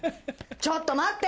ちょっと待って！